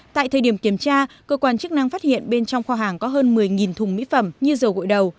tại thời điểm kiểm tra cơ quan chức năng phát hiện bên trong kho hàng có hơn một mươi thùng mỹ phẩm như dầu gội đầu